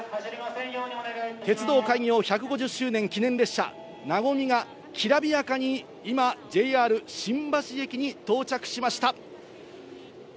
鉄道開業１５０周年記念列車、なごみが、きらびやかに今、ＪＲ新橋駅に到着しました。